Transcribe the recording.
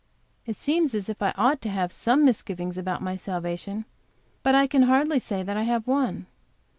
It seems as if I ought to have some misgivings about my salvation, but I can hardly say that I have one.